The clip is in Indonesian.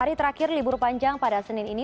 hari terakhir libur panjang pada senin ini